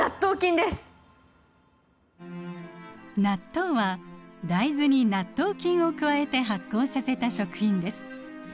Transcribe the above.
納豆は大豆に納豆菌を加えて発酵させた食品です。